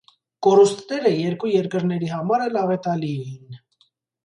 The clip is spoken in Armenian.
Կորուստները երկու երկրեների համար էլ աղետալի էին։